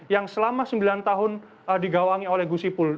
yang selama sembilan tahun digawangi oleh gus ipul